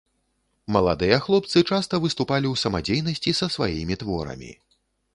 Маладыя хлопцы часта выступалі ў самадзейнасці са сваімі творамі.